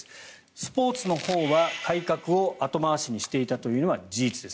スポーツのほうは改革を後回しにしていたというのは事実です。